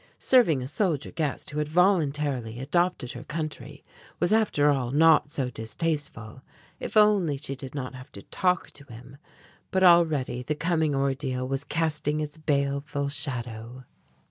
Serving a soldier guest who had voluntarily adopted her country, was after all not so distasteful, if only she did not have to talk to him. But already the coming ordeal was casting its baleful shadow.